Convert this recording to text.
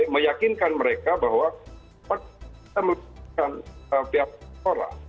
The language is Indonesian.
meyakinkan mereka bahwa saat kita melakukan piala menpora